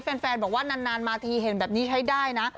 แฟนบอกว่านานมาทีเห็นแบบนี้ใช้ได้นะ